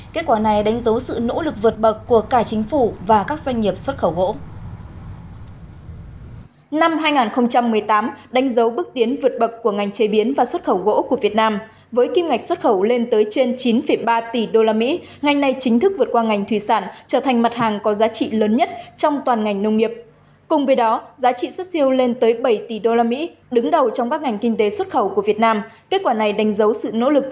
kết quả này đánh dấu sự nỗ lực vượt bậc của cả chính phủ và các doanh nghiệp xuất khẩu gỗ